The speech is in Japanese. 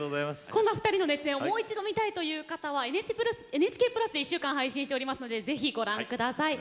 こんなお二人の熱演をもう一度見たいという方は「ＮＨＫプラス」で１週間配信しておりますのでぜひご覧下さい。